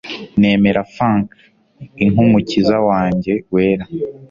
nemera funk inkumukiza wanjye wera